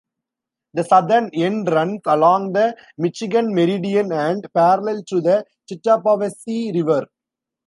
The southern end runs along the Michigan Meridian and parallel to the Tittabawassee River.